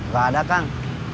gak ada kang